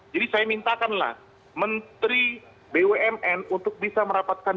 jadi saya mintakanlah menteri bumn untuk bisa merapatkan